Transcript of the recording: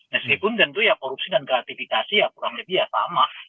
meskipun tentu ya korupsi dan gratifikasi ya kurang lebih ya sama